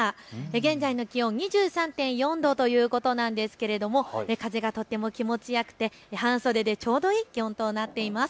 現在の気温２３．４度ということなんですけれども風がとても気持ちよくて半袖でちょうどいい気温となっています。